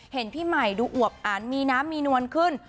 เห็นพี่ใหม่ดูอวบอันมีน้ำมีนวลขึ้น